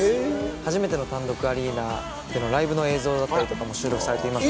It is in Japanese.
初めての単独アリーナでのライブの映像も収録されています。